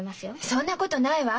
そんなことないわ。